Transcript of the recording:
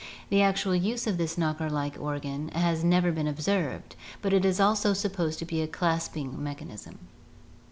The actual use of this knocker like organ has never been observed, but it is also supposed to be a clasp ing mechanism (see Fig, n).